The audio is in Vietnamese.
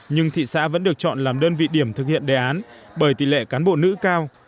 nhưng thị xã vẫn được chọn làm đơn vị điểm thực hiện đề án bởi tỷ lệ cán bộ nữ cao